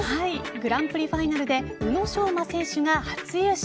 グランプリファイナルで宇野昌磨選手が初優勝。